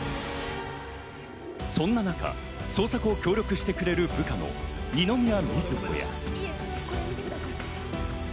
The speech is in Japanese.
そんな中、捜索を協力してくれる部下の二宮瑞穂や。